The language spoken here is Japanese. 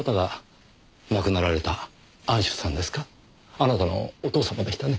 あなたのお父様でしたね？